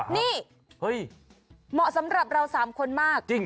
นี่เห้ยเหมาะสำหรับเราสามคนมาก